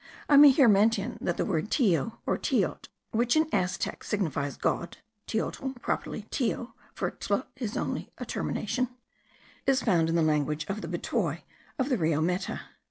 I may here mention, that the word Teo, or Teot, which in Aztec signifies God (Teotl, properly Teo, for tl is only a termination), is found in the language of the Betoi of the Rio Meta.